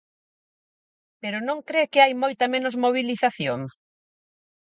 Pero non cre que hai moita menos mobilización?